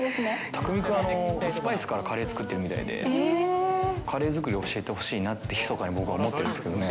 匠海君、スパイスからカレー作ってるみたいで、カレー作りを教えてほしいなって、ひそかに僕は思ってるんですけどね。